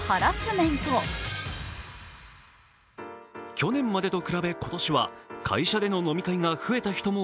去年までと比べ今年は会社での飲み会が増えた人も